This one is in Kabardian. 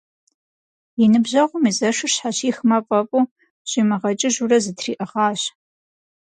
И ныбжьэгъум и зэшыр щхьэщихмэ фӏэфӏу, щӏимыгъэкӏыжурэ зэтриӏыгъащ.